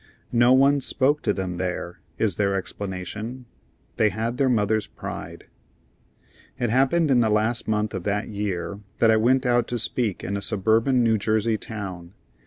"No one spoke to them there," is their explanation. They had their mother's pride. It happened in the last month of that year that I went out to speak in a suburban New Jersey town.